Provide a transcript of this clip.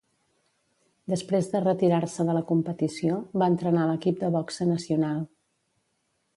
Després de retirar-se de la competició, va entrenar l'equip de boxa nacional.